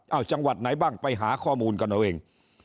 เอาจังหวัดไหนบ้างไปหาข้อมูลกันเอาเอง